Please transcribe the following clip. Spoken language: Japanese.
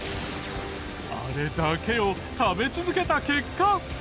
あれだけを食べ続けた結果。